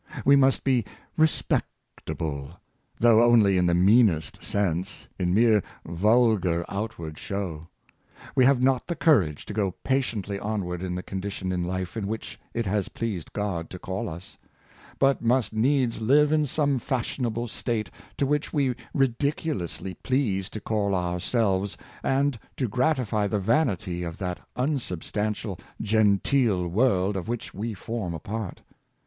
We must be " respectable," though only in the meanest sense — in mere vulgar outward show. We have not the courage to go patiently on ward in the condition in life in which it has pleased God to call us; but must needs live in some fashionable state to which we ridiculously please to call ourselves, and to gratify the vanity of that unsubstantial genteel world of which we form a part.